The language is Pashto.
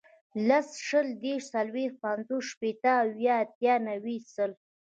لس, شل, دېرش, څلوېښت, پنځوس, شپېته, اویا, اتیا, نوي, سل